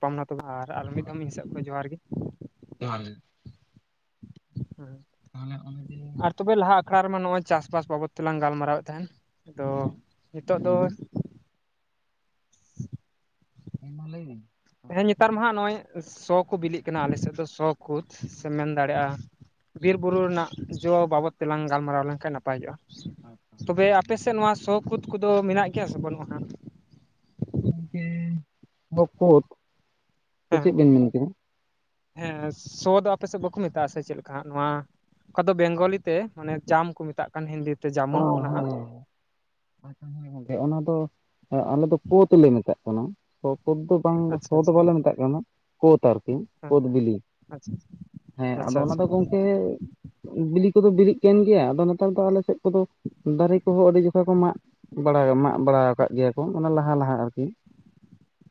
ᱠᱚᱢ ᱱᱟ ᱛᱚᱵᱮ ᱟᱨ ᱢᱤᱫ ᱫᱷᱟᱣ ᱢᱤᱫ ᱥᱮᱫ ᱠᱷᱚᱱ ᱡᱚᱦᱟᱨ ᱜᱮ ᱡᱚᱦᱟᱨ ᱜᱮ ᱛᱟᱦᱚᱞᱮ ᱜᱚᱝᱠᱮ ᱟᱨ ᱛᱚᱵᱮ ᱞᱟᱦᱟ ᱟᱠᱷᱲᱟ ᱨᱮᱢᱟ ᱱᱚᱣᱟ ᱪᱟᱥ ᱵᱟᱥ ᱵᱟᱵᱚᱛ ᱛᱮᱞᱟᱝ ᱜᱟᱞᱢᱟᱨᱟᱣᱮᱫ ᱛᱟᱦᱮᱸᱱ ᱟᱫᱚ ᱦᱮᱸ ᱱᱤᱛᱚᱜ ᱞᱟᱹᱭ ᱫᱚ ᱵᱤᱱ ᱦᱮᱸ ᱢᱟ ᱞᱟᱹᱭ ᱵᱤᱱ? ᱦᱮᱸ ᱱᱮᱛᱟᱨ ᱢᱟ ᱱᱚᱜᱼᱚᱭ ᱥᱚ ᱠᱚ ᱵᱤᱞᱤᱜ ᱠᱟᱱᱟ ᱟᱞᱮ ᱥᱮᱫ ᱫᱚ ᱥᱚ ᱠᱚᱫ ᱥᱮ ᱢᱮᱱ ᱦᱮᱸ ᱫᱟᱲᱮᱭᱟᱜᱼᱟ ᱵᱤᱨ ᱵᱩᱨᱩ ᱨᱮᱱᱟᱜ ᱡᱚ ᱵᱟᱵᱚᱫ ᱛᱮᱞᱟᱝ ᱜᱟᱞᱢᱟᱨᱟᱣ ᱞᱮᱱᱠᱷᱟᱱ ᱱᱟᱯᱟᱭ ᱦᱩᱭᱩᱜ-ᱟ᱾ ᱟᱪᱪᱷᱟ ᱛᱚᱵᱮ ᱟᱪᱪᱷᱟ ᱟᱯᱮ ᱥᱮᱫ ᱱᱚᱣᱟ ᱥᱚ ᱠᱳᱫᱷ ᱠᱚᱫᱚ ᱢᱮᱱᱟᱜ ᱜᱮᱭᱟ ᱥᱮ ᱵᱟᱹᱱᱩᱜᱼᱟ ᱦᱟᱜ? ᱜᱚᱝᱠᱮ ᱱᱚ ᱠᱳᱫ ᱥᱮ ᱦᱮᱸ ᱪᱮᱫ ᱵᱤᱱ ᱢᱮᱱ ᱠᱮᱫᱟ' ᱦᱮᱸ ᱥᱚ ᱫᱚ ᱟᱯᱮ ᱥᱮᱫ ᱵᱟᱠᱚ ᱢᱮᱛᱟᱜ ᱟ ᱥᱮ ᱪᱮᱫ ᱞᱮᱠᱟ ᱦᱟᱜ ᱱᱚᱣᱟ᱾ ᱚᱠᱟ ᱫᱚ ᱵᱮᱝᱜᱚᱞᱤ ᱛᱮ ᱢᱟᱱᱮ ᱡᱟᱢ ᱠᱚ ᱢᱮᱛᱟᱜ ᱠᱟᱱ ᱦᱤᱱᱫᱤ ᱛᱮ ᱚ ᱡᱟᱢᱚᱱ ᱚᱱᱟ ᱦᱳᱭ ᱦᱟᱸᱜ ᱟᱪᱪᱷᱟ ᱦᱮᱸ ᱜᱚᱝᱠᱮ ᱚᱱᱟ ᱫᱚ ᱟᱞᱮ ᱫᱚ ᱠᱳᱫᱷ ᱞᱮ ᱢᱮᱛᱟᱜ ᱠᱟᱱᱟ᱾ ᱠᱳᱫ ᱫᱚ ᱵᱟᱝ ᱟᱪᱪᱷᱟ ᱥᱚ ᱫᱚ ᱟᱪᱪᱷᱟ ᱵᱟᱞᱮ ᱢᱮᱛᱟᱜ ᱠᱟᱱᱟ ᱠᱳᱫ ᱟᱨᱠᱤ ᱦᱮᱸ ᱠᱳᱫ ᱵᱤᱞᱤ ᱟᱪᱪᱷᱟ ᱦᱮᱸ ᱟᱪᱪᱷᱟ ᱟᱫᱚ ᱚᱱᱟ ᱫᱚ ᱜᱚᱝ [inaudible] ᱵᱤᱞᱤ ᱠᱚᱫᱚ ᱵᱤᱞᱤ ᱠᱟᱱ ᱜᱮᱭᱟ ᱟᱫᱚ ᱱᱚᱛᱮ ᱨᱮ ᱫᱚ ᱟᱞᱮ ᱥᱮᱫ ᱠᱚᱫᱚ ᱫᱟᱨᱮ ᱠᱚᱦᱚᱸ ᱟᱹᱰᱤ ᱡᱚᱠᱷᱟ ᱠᱚ ᱢᱟᱜ ᱢᱟᱜ ᱵᱟᱲᱟ ᱟᱠᱟᱫ ᱜᱮᱭᱟ ᱠᱚ ᱢᱟᱱᱮ ᱞᱟᱦᱟ ᱞᱟᱦᱟ ᱟᱨᱠᱤ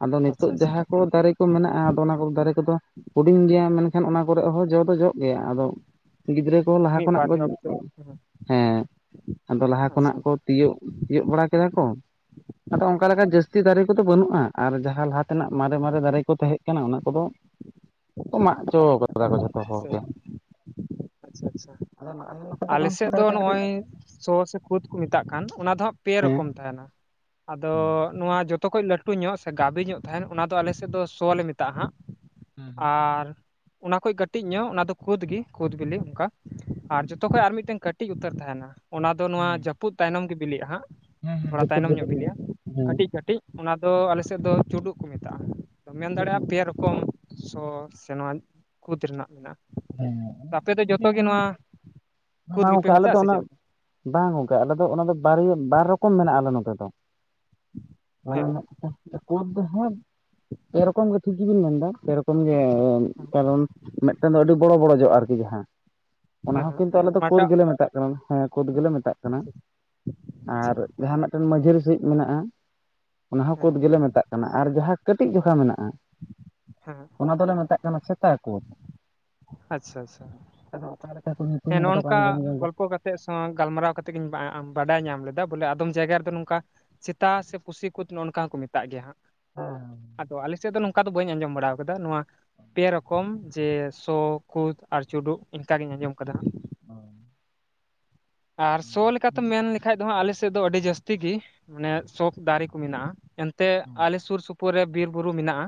ᱟᱫᱚ ᱱᱤᱛᱚᱜ ᱟᱪᱪᱷᱟ ᱡᱟᱦᱟᱸ ᱠᱚ ᱫᱟᱨᱮ ᱠᱚ ᱢᱮᱱᱟᱜᱼᱟ ᱟᱫᱚ ᱚᱱᱟ ᱠᱚ ᱫᱟᱨᱮ ᱠᱚᱫᱚ ᱦᱩᱰᱤᱧ ᱜᱮᱭᱟ ᱢᱮᱱᱠᱷᱟᱱ ᱚᱱᱟ ᱠᱚᱨᱮᱜ ᱦᱚᱸ ᱡᱚ ᱫᱚ ᱡᱚᱜ ᱜᱮᱭᱟ ᱟᱫᱚ ᱜᱤᱫᱽᱨᱟᱹ ᱠᱚ ᱞᱟᱦᱟ ᱢᱤᱫ ᱠᱷᱚᱱᱟᱜ ᱵᱟᱨ ᱠᱚ ᱡᱚᱢ ᱛᱮ ᱦᱮᱸ ᱦᱮᱸ ᱟᱫᱚ ᱞᱟᱦᱟ ᱠᱷᱚᱱᱟᱜ ᱟᱪᱪᱷᱟ ᱠᱚ ᱛᱤᱭᱚᱜ ᱛᱤᱭᱳᱟᱹᱜ ᱵᱟᱲᱟ ᱠᱮᱫᱟ ᱠᱚ ᱟᱫᱚ ᱚᱱᱠᱟ ᱞᱮᱠᱟ ᱡᱟᱹᱥᱛᱤ ᱫᱟᱨᱮ ᱠᱚᱫᱚ ᱟᱨ ᱟᱱᱠᱟ ᱞᱮᱠᱟ ᱡᱟᱥᱛᱤ ᱫᱟᱨᱮ ᱠᱚ ᱫᱚ ᱵᱟᱹᱱᱩᱜᱼᱟ, ᱟᱨ ᱡᱟᱦᱟᱸ ᱞᱟᱦᱟ ᱛᱮᱱᱟᱜ ᱢᱟᱨᱮ ᱢᱟᱨᱮ ᱫᱟᱨᱮ ᱠᱚ ᱛᱟᱦᱮᱸ ᱠᱟᱱᱟ ᱚᱱᱟ ᱠᱚᱫᱚ [inaudible] ᱢᱟᱜ ᱟᱹᱰᱤ ᱦᱚᱪᱚ ᱠᱟᱫᱟ ᱠᱚ ᱡᱷᱚᱛᱚ ᱦᱚᱲᱜᱮ ᱟᱪᱪᱷᱟ ᱟᱪᱪᱷᱟ ᱟᱞᱮ ᱥᱮᱫ ᱫᱚ ᱞᱮᱠᱟ ᱠᱟᱹᱴᱤᱡ ᱱᱚᱜᱼᱚᱭ ᱥᱚ ᱥᱮ ᱠᱳᱫ ᱠᱚ ᱢᱮᱛᱟᱜ ᱠᱟᱱ ᱚᱱᱟ ᱫᱚ ᱦᱟᱸᱜ ᱯᱮ ᱦᱮᱸ ᱨᱚᱠᱚᱢ ᱛᱟᱸᱦᱮᱱᱟ? ᱟᱫᱚ ᱱᱚᱣᱟ ᱡᱚᱛᱚ ᱠᱷᱚᱭ ᱞᱟᱹᱴᱩ ᱧᱚᱜ ᱥᱮ ᱜᱟᱵᱮ ᱧᱚᱜ ᱛᱟᱦᱮᱸᱱᱟ ᱚᱱᱟ, ᱫᱚ ᱟᱞᱮ ᱥᱮᱫ ᱫᱚ ᱥᱚ ᱞᱮ ᱢᱮᱛᱟᱜᱼᱟ ᱦᱟᱸᱜ ᱦᱮᱸ ᱟᱨ ᱚᱱᱟ ᱠᱷᱚᱡ ᱠᱟᱹᱴᱤᱡ ᱧᱚᱜ ᱚᱱᱟ ᱫᱚ ᱠᱩᱫᱽ ᱜᱮ ᱠᱩᱫᱽ ᱵᱤᱞᱤ ᱚᱱᱠᱟ ᱟᱨ ᱦᱮᱸ ᱡᱷᱚᱛᱚ ᱠᱷᱚᱱ ᱟᱨ ᱢᱤᱫᱴᱮᱱ ᱠᱟᱹᱴᱤᱡ ᱩᱛᱟᱹᱨ ᱛᱟᱦᱮᱸᱱᱟ ᱚᱱᱟ ᱫᱚ ᱱᱚᱣᱟ ᱦᱮᱸ ᱡᱟᱹᱯᱩᱫ ᱛᱟᱭᱱᱚᱢ ᱜᱮ ᱵᱤᱞᱤᱜᱼᱟ ᱦᱟᱸᱜ ᱦᱮᱸ ᱛᱷᱚᱲᱟ ᱡᱟᱹᱯᱩᱫ ᱛᱟᱭᱱᱚᱢ ᱡᱟᱹᱯᱩᱫ ᱧᱚᱜ ᱵᱤᱞᱤᱜᱼᱟ ᱦᱮᱸ ᱠᱟᱹᱴᱤᱡ ᱠᱟᱹᱴᱤᱡ᱾ ᱚᱱᱟ ᱫᱚ ᱟᱞᱮᱥᱮᱜ ᱫᱚ ᱪᱩᱰᱩᱜ ᱠᱚ ᱢᱮᱛᱟᱜᱼᱟ ᱛ ᱢᱮᱱ ᱫᱟᱲᱮᱭᱟᱜᱼᱟ ᱯᱮ ᱨᱚ ᱠᱚᱢ ᱥᱚ ᱥᱮ ᱱᱚᱣᱟ ᱠᱩᱫᱽ ᱨᱮᱱᱟᱜ ᱢᱮᱱᱟᱜᱼᱟ᱾ ᱟᱯᱮ ᱫᱚ ᱡᱚᱛᱚ ᱦᱮᱸ ᱜᱮ ᱚᱱᱟ ᱱᱚᱣᱟ ᱠᱩᱫ ᱢᱟᱱᱟᱣ ᱜᱮᱯᱮ ᱠᱟᱜ ᱟᱞᱮ ᱢᱮᱛᱟᱜᱼᱟ ᱫᱚ ᱥᱮ ᱚᱱᱟ ᱪᱮᱫ ᱞᱮᱠᱟ? ᱵᱟᱝ ᱜᱚᱝᱠᱮ ᱟᱞᱮ ᱫᱚ ᱚᱱᱟ ᱫᱚ ᱵᱟᱨ ᱵᱟᱨ ᱨᱚᱠᱚᱢ ᱢᱮᱱᱟᱜᱼᱟ ᱟᱞᱮ ᱱᱚᱛᱮ ᱫᱚ ᱦᱮᱸ [unintelligible] ᱠᱳᱫ ᱫᱚ ᱦᱟᱸ ᱯᱮ ᱨᱚᱠᱚᱢ ᱜᱮ ᱴᱷᱤᱠ ᱜᱮᱵᱤᱱ ᱢᱮᱱᱫᱟ ᱯᱮ ᱨᱚᱠᱚᱢ ᱜᱮ ᱠᱟᱨᱚᱱ ᱢᱤᱫᱴᱟᱝ ᱫᱚ ᱟᱹᱰᱤ ᱵᱚᱲᱚ ᱵᱚᱲᱚ ᱡᱚᱜᱼᱟ ᱟᱨᱠᱤ ᱡᱟᱦᱟᱸ ᱚᱱᱟ ᱦᱮᱸ ᱦᱮᱸ ᱦᱚᱸ ᱠᱤᱱᱛᱩ ᱟᱞᱮ ᱫᱚ ᱠᱳᱫ ᱚᱱᱟᱴᱟᱜ ᱜᱮᱞᱮ ᱢᱮᱛᱟᱜ ᱠᱟᱱᱟ ᱦᱮᱸ ᱠᱳᱫ ᱜᱮᱞᱮ ᱢᱮᱛᱟᱜ ᱠᱟᱱᱟ, ᱟᱨ ᱟᱪᱪᱷᱟ ᱡᱟᱦᱟᱸ ᱢᱤᱫᱴᱮᱱ ᱢᱟᱺᱡᱷᱟᱹᱨᱤ ᱥᱟᱦᱤᱡ ᱢᱮᱱᱟᱜᱼᱟ ᱚᱱᱟ ᱦᱚᱸ ᱦᱮᱸ ᱠᱳᱫ ᱜᱮᱞᱮ ᱢᱮᱛᱟᱜ ᱠᱟᱱᱟ, ᱟᱨ ᱡᱟᱦᱟᱸ ᱠᱟᱹᱴᱤᱡ ᱡᱚᱠᱷᱟ ᱢᱮᱱᱟᱜᱼᱟ ᱦᱮᱸᱻ᱾ ᱚᱱᱟ ᱫᱚᱞᱮ ᱢᱮᱛᱟᱜ ᱠᱟᱱᱟ ᱥᱮᱛᱟ ᱠᱳᱫ᱾ ᱟᱪᱪᱷᱟ ᱟᱪᱪᱷᱟ ᱚᱠᱟ ᱞᱮᱠᱟ ᱠᱚ ᱧᱩᱛᱩᱢ ᱠᱟᱫᱟ ᱟᱧᱡᱚᱢ [unintelligible] ᱟᱯᱮ ᱥᱟᱣ ᱜᱟᱞᱢᱟᱨᱟᱣ ᱠᱟᱛᱮᱜ ᱜᱤᱧ ᱵᱟᱰᱟᱭ ᱧᱟᱢ ᱞᱮᱫᱟ ᱵᱚᱞᱮ ᱟᱫᱚᱢ ᱡᱟᱭᱜᱟ ᱨᱮᱫᱚ ᱱᱚᱝᱠᱟ ᱥᱮᱛᱟ ᱥᱮ ᱯᱩᱥᱤ ᱠᱩᱫ ᱱᱚᱜᱼᱚ ᱱᱚᱝᱠᱟ ᱠᱚ ᱢᱮᱛᱟᱜ ᱜᱮᱭᱟ ᱦᱟᱸᱜ ᱦᱮᱸ ᱟᱫᱚ ᱟᱞᱮ ᱥᱮᱫ ᱫᱚ ᱱᱚᱝᱠᱟ ᱠᱟ ᱫᱚ ᱵᱟᱹᱧ ᱟᱸᱡᱚᱢ ᱵᱟᱲᱟᱣ ᱠᱟᱫᱟ᱾ ᱱᱚᱣᱟ ᱯᱮ ᱨᱚᱠᱚᱢ ᱡᱮ ᱥᱚ, ᱠᱷᱳᱫᱽ ᱟᱨ ᱪᱩᱰᱩᱜ ᱤᱱᱠᱟᱜᱤᱧ ᱟᱸᱡᱚᱢ ᱠᱟᱫᱟ᱾ [inaudible] ᱟᱨ ᱥᱚ ᱞᱮᱠᱟᱛᱮᱢ ᱢᱮᱱ ᱞᱮ ᱠᱷᱟᱡ ᱫᱚ ᱦᱟᱸᱜ ᱟᱞᱮ ᱥᱮᱫ ᱫᱚ ᱟᱹᱰᱤ ᱡᱟᱹᱥᱛᱤ ᱜᱮ ᱢᱟᱱᱮ ᱥᱚᱠᱷ ᱫᱟᱨᱮ ᱠᱚ ᱢᱮᱱᱟᱜᱼᱟ, ᱮᱱᱛᱮ ᱟᱞᱮ ᱥᱩᱨ ᱥᱩᱯᱩᱨ ᱯᱩᱨ ᱨᱮ ᱵᱤᱨᱼᱵᱩᱨᱩ ᱢᱮᱱᱟᱜᱼᱟ,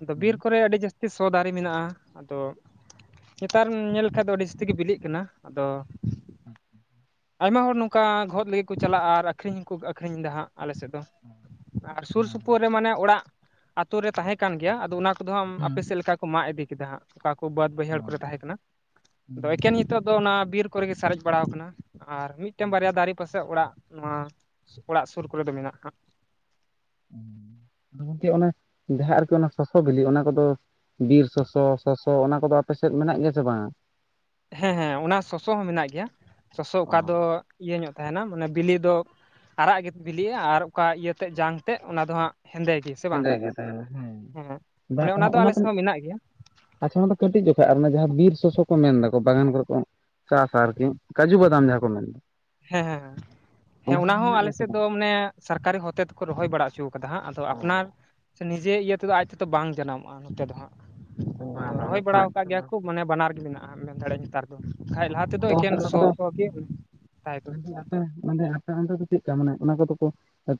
ᱟᱫᱚ ᱵᱤᱨ ᱠᱚᱨᱮ ᱟᱹᱰᱤ ᱡᱟᱹᱥᱛᱤ ᱥᱚ ᱫᱟᱨᱮ ᱢᱮᱱᱟᱜᱼᱟ, ᱟᱫᱚ ᱧᱮᱛᱟᱨ ᱧᱮᱞ ᱞᱮᱠᱷᱟᱱ ᱫᱚ ᱟᱹᱰᱤ ᱡᱟᱹᱥᱛᱤ ᱜᱮ ᱵᱤᱞᱤᱜ ᱠᱟᱱᱟ ᱟᱫᱚ [inaudible] ᱟᱭᱢᱟ ᱦᱚᱲ ᱱᱚᱝᱠᱟ ᱜᱷᱚᱫ ᱞᱟᱹᱜᱤᱫ ᱠᱚ ᱪᱟᱞᱟᱜᱼᱟ᱾ ᱟᱨ ᱟᱹᱠᱷᱨᱤᱧ ᱦᱚᱸᱠᱚ ᱟᱹᱠᱷᱨᱤᱧ ᱮᱫᱟ ᱦᱟᱸᱜ ᱟᱞᱮᱥᱮᱜ ᱫᱚ᱾ ᱟᱨ ᱥᱩᱨ ᱦᱮᱸ ᱥᱩᱯᱩᱨ ᱨᱮ ᱢᱟᱱᱮ ᱚᱲᱟᱜ ᱟᱛᱳ ᱨᱮ ᱛᱟᱦᱮᱸ ᱠᱟᱱ ᱜᱮᱭᱟ ᱟᱫᱚ ᱚᱱᱟ ᱠᱚᱫᱚ ᱦᱟᱢ ᱦᱮᱸ ᱟᱯᱮ ᱥᱮᱜ ᱞᱮᱠᱟ ᱠᱚ ᱢᱟᱜ ᱤᱫᱤ ᱠᱮᱫᱟ ᱦᱟᱸᱜ ᱚᱠᱟ ᱠᱚ ᱵᱟᱹᱫ ᱵᱟᱹᱭᱦᱟᱹᱲ ᱠᱚᱨᱮ ᱦᱮᱸ ᱛᱟᱦᱮᱸ ᱠᱟᱱᱟ ᱟᱫᱚ ᱦᱮᱸ ᱮᱠᱮᱱ ᱱᱤᱛᱚᱜ ᱫᱚ ᱚᱱᱟ ᱵᱤᱨ ᱠᱚᱨᱮᱜ ᱜᱮ ᱥᱟᱨᱮᱡ ᱵᱟᱲᱟᱣ ᱟᱠᱟᱱᱟ᱾ ᱟᱨ ᱢᱤᱫᱴᱮᱱ ᱦᱮᱸ ᱵᱟᱨᱭᱟ ᱫᱟᱨᱮ ᱯᱟᱥᱮ ᱚᱲᱟᱜ ᱱᱚᱣᱟ ᱚᱲᱟᱜ ᱥᱩᱨ ᱠᱚᱨᱮ ᱫᱚ ᱢᱮᱱᱟᱜᱼᱟ ᱦᱟᱸᱜ᱾ ᱜᱚᱢᱠᱮ ᱚᱱᱮ ᱡᱟᱦᱟᱸ ᱟᱨᱠᱤ ᱚᱱᱟ ᱥᱚᱥᱚ ᱵᱤᱞᱤ ᱚᱱᱟ ᱠᱚᱫᱚ ᱵᱤᱨ ᱥᱚᱥᱚ, ᱥᱚᱥᱚ, ᱚᱱᱟ ᱠᱚᱫᱚ ᱟᱯ ᱥᱮᱫ ᱢᱮᱱᱟᱜ ᱜᱮᱭᱟ ᱥᱮ ᱵᱟᱝᱟ? ᱦᱮᱸ ᱦᱮᱸ ᱚᱱᱟ ᱥᱚᱥᱚ ᱦᱚᱸ ᱢᱮᱱᱟᱜ ᱜᱮᱭᱟ᱾ ᱥᱚᱥᱚ ᱚᱠᱟ ᱚ ᱫᱚ ᱤᱭᱟᱹ ᱧᱚᱜ ᱛᱟᱦᱮᱱᱟ ᱢᱟᱱᱮ ᱵᱤᱞᱤ ᱫᱚ ᱟᱨᱟᱜ ᱜᱮ ᱵᱤᱞᱤᱜᱼᱟ, ᱟᱨ ᱚᱠᱟ ᱤᱭᱟᱹ ᱛᱮᱫ ᱡᱟᱝ ᱛᱮᱫ ᱚᱱᱟ ᱫᱚ ᱦᱟᱸᱜ ᱦᱮᱸᱫᱮ ᱜᱮ᱾ ᱥᱮ ᱦᱮᱸᱫᱮ ᱵᱟᱝ ᱜᱮᱛᱟᱦᱮᱱᱟ ᱦᱮᱸ ᱵᱟ ᱚᱱᱮ ᱚᱱ ᱚᱱᱟ ᱟᱞᱮ ᱫᱚ ᱥᱮᱫ ᱦᱚᱸ ᱢᱮᱱᱟᱜ ᱜᱮᱭᱟ ᱟᱪᱪᱷᱟ ᱚᱱᱟ ᱫᱚ ᱠᱟᱹᱴᱤᱡ ᱡᱚᱠᱷᱚᱡ ᱟᱨ ᱚᱱᱟ ᱡᱟᱦᱟᱸ ᱵᱤᱨ ᱥᱚᱥᱚ ᱠᱚ ᱢᱮᱱ ᱫᱟᱠᱚ ᱵᱟᱜᱟᱱ ᱠᱚᱨᱮ ᱠᱚ ᱪᱟᱥᱟ ᱟᱨᱠᱤ ᱠᱟᱡᱩ ᱵᱟᱫᱟᱢ ᱡᱟᱦᱟᱸ ᱠᱚ ᱢᱮᱱ ᱦᱮᱸ ᱦᱮᱸ ᱦᱮᱸ ᱦᱮᱸ ᱚᱱᱟ ᱦᱚᱸ ᱜᱮᱭᱟ ᱥᱮ ᱟᱞᱮᱥᱮᱫ ᱵᱟᱝ? ᱫᱚ ᱢᱟᱱᱮ ᱥᱚᱨᱠᱟᱨᱤ ᱦᱚᱛᱮ ᱛᱮᱠᱚ ᱨᱚᱦᱚᱭ ᱵᱟᱲᱟᱜ ᱪᱩᱣ ᱠᱟᱫᱟ ᱦᱟᱸᱜ ᱟᱫᱚ ᱟᱯᱱᱟᱨ ᱥᱮ ᱱᱤᱡᱮ ᱤᱭᱟᱹ ᱛᱮᱫᱚ ᱟᱡ ᱛᱮᱫᱚ ᱵᱟᱝ ᱡᱟᱱᱟᱢᱚᱜᱼᱟ ᱱᱚᱛᱮ ᱫᱚ ᱦᱟᱸᱜ᱾ ᱟᱫᱚ ᱵᱟᱝ ᱵᱟᱝ ᱨᱚᱦᱚᱭ ᱚᱱᱟ ᱫᱚ ᱵᱟᱲᱟᱣ ᱢᱮᱱᱟᱜ ᱠᱟᱜ ᱠᱟᱫᱟ ᱜᱮᱭᱟ ᱵᱟᱝ᱾ ᱠᱚ ᱢᱟᱱᱮ ᱵᱟᱱᱟᱨ ᱜᱮ ᱢᱮᱱᱟᱜ᱾ ᱟ ᱢᱮᱱ ᱫᱟᱲᱮᱭᱟᱜ ᱧᱮᱛᱟᱨ ᱫᱚ ᱠᱷᱟᱡ ᱞᱟᱦᱟ ᱛᱮᱫᱚ ᱮᱠᱮᱱ ᱥᱚ, ᱥᱚ ᱜᱮ ᱛᱟᱦᱮᱸ ᱠᱟᱱᱟ [unintelligible] ᱢᱟᱱᱮ ᱟᱯᱮ ᱚᱱᱛᱮ ᱫᱚ ᱪᱮᱜᱠᱟ ᱢᱟᱱᱮ ᱚᱱᱟ ᱠᱚᱫᱚ ᱠᱚ